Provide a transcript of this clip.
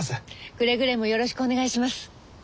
くれぐれもよろしくお願いします。